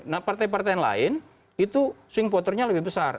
nah partai partai yang lain itu swing voternya lebih besar